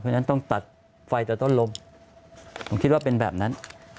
เพราะฉะนั้นต้องตัดไฟแต่ต้นลมผมคิดว่าเป็นแบบนั้น